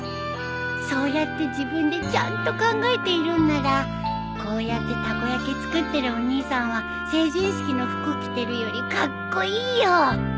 そうやって自分でちゃんと考えているんならこうやってたこ焼き作ってるお兄さんは成人式の服着てるよりカッコイイよ。